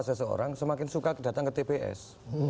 seseorang semakin suka datang ke tps